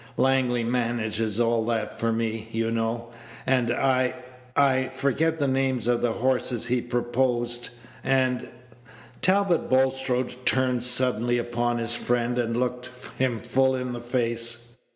Langley manages all that for me, you know; and I I forget the names of the horses he proposed, and " Talbot Bulstrode turned suddenly upon his friend, and looked him full in the face.